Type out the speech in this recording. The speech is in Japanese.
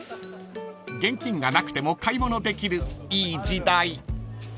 ［現金がなくても買い物できるいい時代］